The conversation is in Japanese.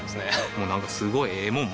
もうなんかすごいええもん